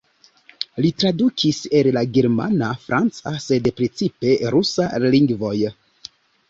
Li tradukis el la germana, franca, sed precipe rusa lingvoj.